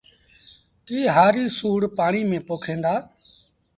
ڪي هآريٚ سُوڙ پآڻيٚ ميݩ پوکيݩ دآ